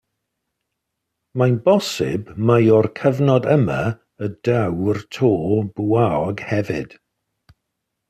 Mae'n bosib mai o'r cyfnod yma y daw'r to bwaog hefyd.